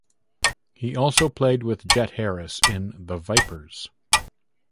He also played with Jet Harris in "The Vipers".